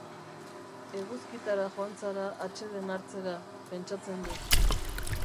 Eguzkitara joan zara atseden hartzera, pentsatzen dut.